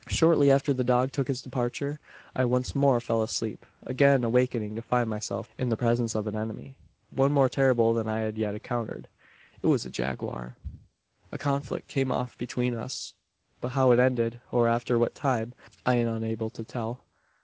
"Shortly after the dog took his departure, I once more fell asleep again awaking to find myself in the presence of an enemy one more terrible than I had yet encountered. "It was a jaguar. "A conflict came off between us; but how it ended, or after what time, I am unable to tell.